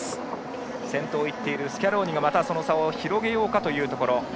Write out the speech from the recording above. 先頭をいっているスキャローニが差を広げようかというところ。